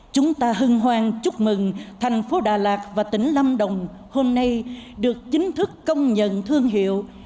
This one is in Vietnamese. chúng ta hân hoan chúc mừng thành phố đà lạt và tỉnh lâm đồng hôm nay được chính thức công nhận thương hiệu